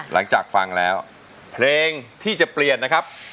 หลังจากฟังแล้วเพลงที่จะเปลี่ยนนะครับ